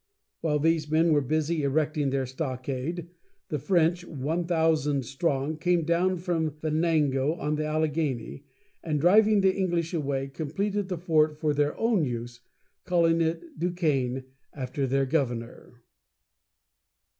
While these men were busy erecting their stockade, the French, one thousand strong, came down from Ve nan´go, on the Allegheny, and, driving the English away, completed the fort for their own use, calling it Duquesne, after their governor.